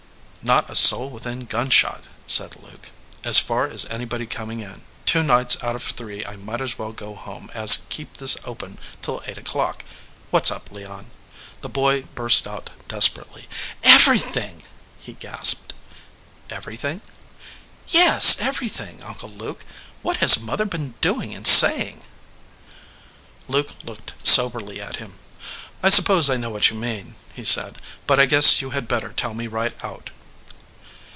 "Not a soul within gunshot," said Luke. "As far as anybody coming in, two nights out of three I might as well go home as keep this open till eight o clock. What s up, Leon?" The boy burst out desperately. "Everything!" he gasped. "Everything?" "Yes, everything. Uncle Luke, what has mother been doing and saying?" Luke looked soberly at him. "I suppose I know what you mean," he said, "but I guess you had better tell me right out."